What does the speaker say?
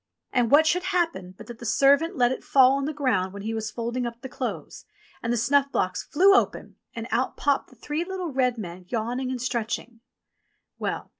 And what should happen but that the servant let it fall on the ground when he was folding up the clothes, and the snuff box flew open and out popped the three little red men yawn ing and stretching. Well